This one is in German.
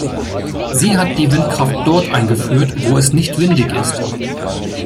Sie hat die Windkraft dort eingeführt, wo es nicht windig ist.